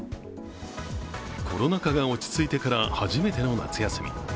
コロナ禍が落ち着いてから初めての夏休み。